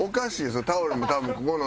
そのタオルも多分ここの。